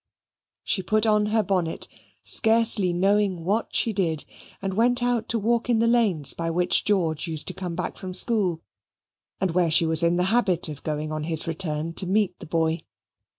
She put on her bonnet, scarcely knowing what she did, and went out to walk in the lanes by which George used to come back from school, and where she was in the habit of going on his return to meet the boy.